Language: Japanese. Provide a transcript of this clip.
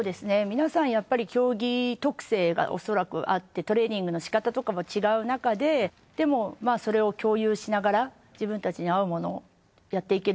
皆さんやっぱり競技特性がおそらくあってトレーニングの仕方とかも違うなかででもそれを共有しながら自分たちに合うものをやっていける。